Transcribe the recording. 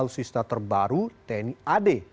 alutsista terbaru tni ad